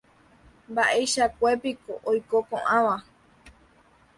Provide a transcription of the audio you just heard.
mba'eichakuépiko oiko ko'ãva.